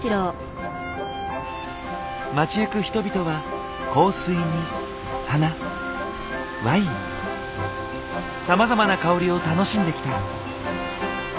街行く人々は香水に花ワインさまざまな香りを楽しんできた。